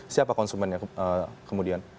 siapa konsumennya kemudian